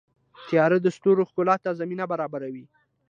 • تیاره د ستورو ښکلا ته زمینه برابروي.